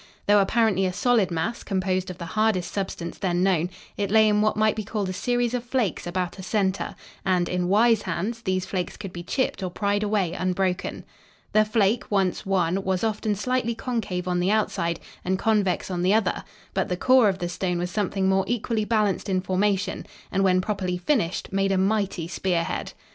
Though apparently a solid mass, composed of the hardest substance then known, it lay in what might be called a series of flakes about a center, and, in wise hands, these flakes could be chipped or pried away unbroken. The flake, once won, was often slightly concave on the outside and convex on the other, but the core of the stone was something more equally balanced in formation and, when properly finished, made a mighty spearhead.